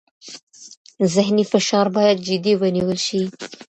ذهني فشار باید جدي ونیول شي.